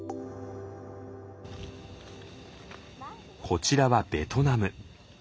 こちらはベトナム。